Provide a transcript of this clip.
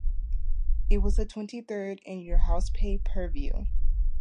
It was the twenty-third In Your House pay-per-view.